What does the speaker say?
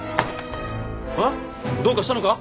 うん？どうかしたのか？